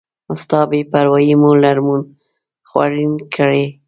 ستا بی پروایي می لړمون خوړین کړی